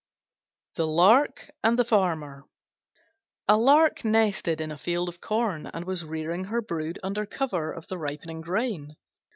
THE LARK AND THE FARMER A Lark nested in a field of corn, and was rearing her brood under cover of the ripening grain.